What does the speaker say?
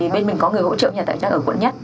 bên mình có người hỗ trợ nhà tài trang ở quận nhất